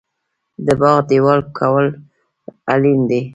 د باغ دیوال کول اړین دي؟